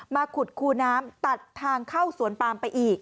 ขุดคูน้ำตัดทางเข้าสวนปามไปอีก